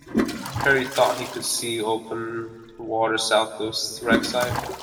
Parry thought he could see open water south of the wreck site.